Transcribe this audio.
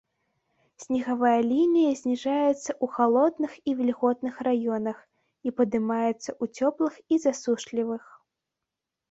Снегавая лінія зніжаецца ў халодных і вільготных раёнах і падымаецца ў цёплых і засушлівых.